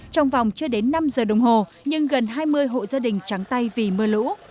trong vòng chưa đến năm giờ đồng hồ nhưng gần hai mươi hộ gia đình trắng tay vì mưa lũ